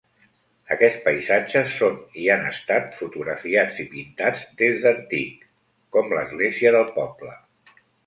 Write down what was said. Aquests paisatges són i han estat fotografiats i pintats des d'antic, com l'església del poble.